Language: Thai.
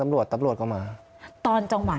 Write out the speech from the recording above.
พี่พร้อมทิพย์คิดว่าคุณพิชิตคิด